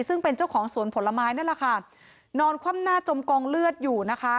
ซึ่งเป็นเจ้าของสวนผลไม้นั่นแหละค่ะนอนคว่ำหน้าจมกองเลือดอยู่นะคะ